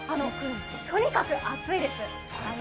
とにかく熱いです。